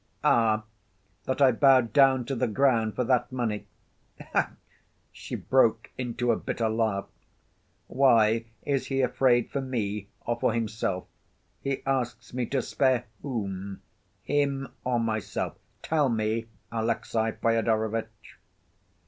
"Ah! that I bowed down to the ground for that money!" She broke into a bitter laugh. "Why, is he afraid for me or for himself? He asks me to spare—whom? Him or myself? Tell me, Alexey Fyodorovitch!"